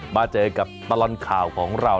มาเจอกับตลอดข่าวของเรา